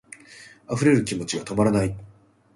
溢れる気持ちが止まらない